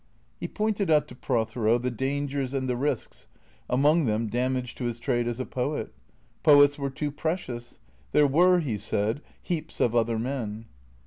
He pointed out to Prothero the dangers and the risks, among them damage to his trade as a poet. Poets were too precious. There were, he said, heaps of other men.